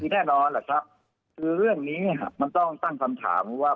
แน่นอนแหละครับคือเรื่องนี้มันต้องตั้งคำถามว่า